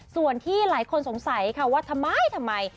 ส่วนที่หลายคนสงสัยค่ะว่าทำไมทำไม